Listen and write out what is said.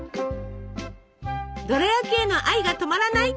ドラやきへの愛が止まらない！